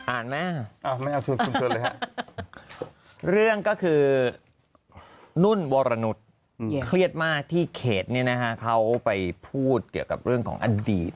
อ่านไหมเรื่องก็คือนุ่นวรนุษย์เครียดมากที่เขตนี้นะคะเขาไปพูดเกี่ยวกับเรื่องของอดีต